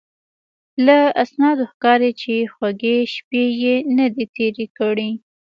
له اسنادو ښکاري چې خوږې شپې یې نه دي تېرې کړې.